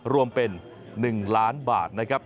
รวมเป็น๑ล้านบาทนะครับ